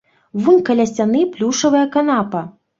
Вунь каля сцяны плюшавая канапа.